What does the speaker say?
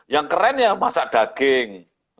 yang keren ya masak daging